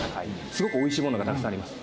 すごくおいしいものがたくさんあります。